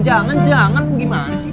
jangan jangan gimana sih